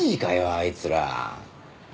あいつら！